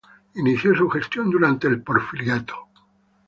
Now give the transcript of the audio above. Inició su gestión durante el Porfiriato.